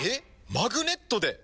マグネットで？